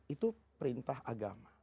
itu perintah agama